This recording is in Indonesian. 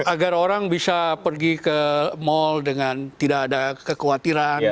agar orang bisa pergi ke mal dengan tidak ada kekhawatiran